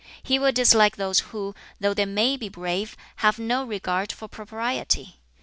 He will dislike those who, though they may be brave, have no regard for propriety.